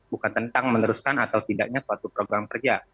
bukan tentang meneruskan atau tidaknya suatu program kerja